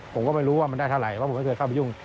ผมก็ไม่รู้ว่ามันได้เท่าไหร่เพราะผมไม่เคยเข้าไปยุ่ง